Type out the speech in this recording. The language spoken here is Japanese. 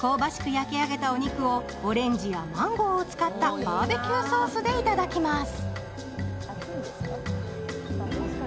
焼き上げたお肉をオレンジやマンゴーを使ったバーベキューソースでいただきます。